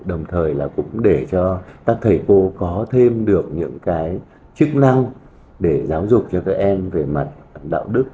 đồng thời là cũng để cho các thầy cô có thêm được những cái chức năng để giáo dục cho các em về mặt đạo đức